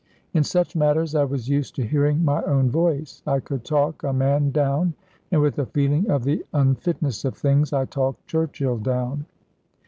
In such matters I was used to hearing my own voice. I could talk a man down, and, with a feeling of the unfitness of things, I talked Churchill down.